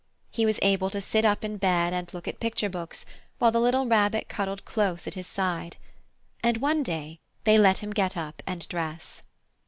He was able to sit up in bed and look at picture books, while the little Rabbit cuddled close at his side. And one day, they let him get up and dress.